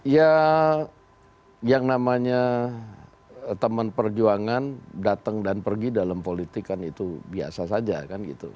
ya yang namanya teman perjuangan datang dan pergi dalam politik kan itu biasa saja kan gitu